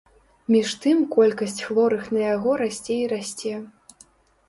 Між тым колькасць хворых на яго расце і расце.